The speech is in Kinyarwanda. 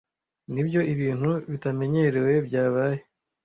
Nibyo, ibintu bitamenyerewe byabaye.